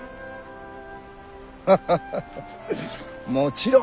ハハハハもちろん。